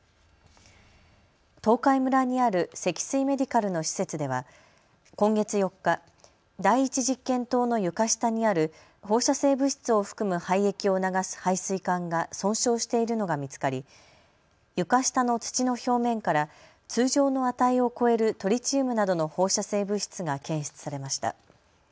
東海村にある積水メディカルの施設では今月４日、第１実験棟の床下にある放射性物質を含む廃液を流す排水管が損傷しているのが見つかり床下の土の表面から通常の値を超えるトリチウムなどの放射性物質が検出されました。